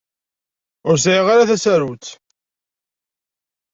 Ur sɛiɣ ara tasarut.